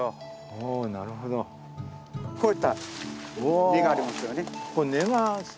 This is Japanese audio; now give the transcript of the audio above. こういった根がありますよね。